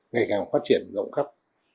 ngày càng phát triển rộng khắp